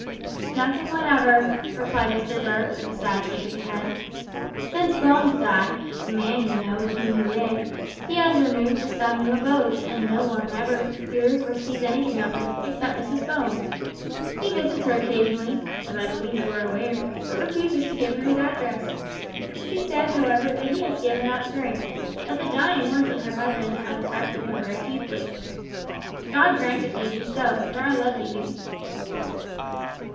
"Nothing whatever," replied Mr Blurt, with a sad shake of his head. "Since Bones died the man, you know, with whom he lived he has removed to some new abode, and no one ever hears or sees anything of him, except Mrs Bones. He visits her occasionally (as I believe you are aware), but refuses to give her his address. She says, however, that he has given up drink that the dying words of her husband had affected him very deeply. God grant it may be so, for I love the youth."